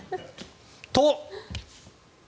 「と」。